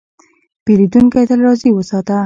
پیرودونکی تل راضي وساته.